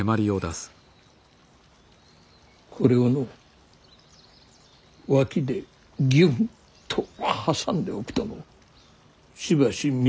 これをの脇でぎゅんっと挟んでおくとのしばし脈が止まるのだ。